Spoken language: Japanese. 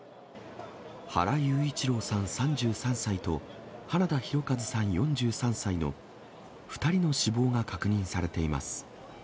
原裕一郎さん３３歳と、花田大和さん４３歳の２人の死亡が確認されています。